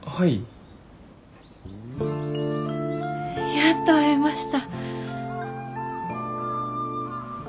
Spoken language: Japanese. やっと会えました。